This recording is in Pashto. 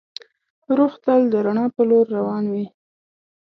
روح تل د رڼا په لور روان وي.